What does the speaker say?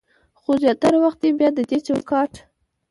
خو زياتره وخت يې بيا د دې چوکاټ